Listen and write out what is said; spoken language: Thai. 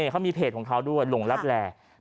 เขามีเพจของเขาด้วยหลงลับแล